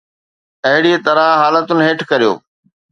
اهڙيءَ طرح حالتن هيٺ ڪريو.